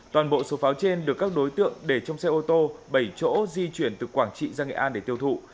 toàn bộ số pháo trên được các đối tượng để trong xe ô tô bảy chỗ di chuyển từ quảng trị ra nghệ an để tiêu thụ